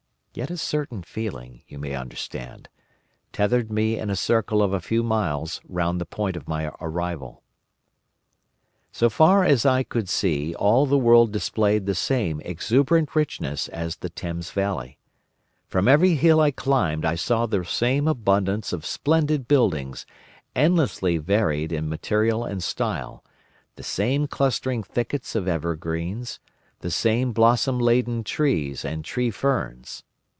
Yet a certain feeling, you may understand, tethered me in a circle of a few miles round the point of my arrival. VIII. Explanation "So far as I could see, all the world displayed the same exuberant richness as the Thames valley. From every hill I climbed I saw the same abundance of splendid buildings, endlessly varied in material and style, the same clustering thickets of evergreens, the same blossom laden trees and tree ferns.